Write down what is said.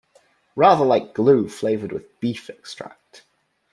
Rather like glue flavoured with beef extract.